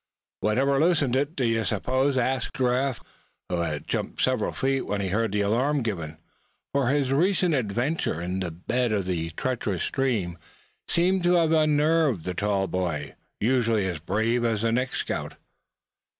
"Whatever loosened it, d'ye s'pose?" asked Giraffe, who had jumped several feet when he heard the alarm given; for his recent adventure in the bed of the treacherous stream seemed to have unnerved the tall boy, usually as brave as the next scout.